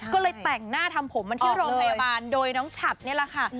ก็เลยแต่งหน้าทำผมมาที่โรงพยาบาลโดยน้องฉัดนี่แหละค่ะ